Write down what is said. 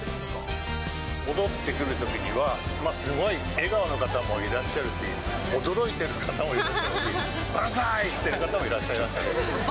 戻ってくるときには、すごい笑顔の方もいらっしゃるし、驚いてる方もいらっしゃるし、万歳してる方もいらっしゃいましたね。